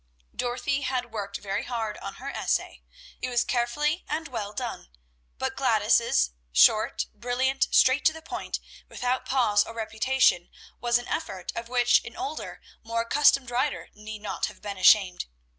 Dorothy had worked very hard on her essay. It was carefully and well done; but Gladys's, short, brilliant, straight to the point, without pause or repetition, was an effort of which an older, more accustomed writer need not have been ashamed.